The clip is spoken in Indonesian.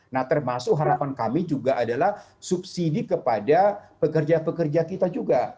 nah termasuk harapan kami juga adalah subsidi kepada pekerja pekerja kita juga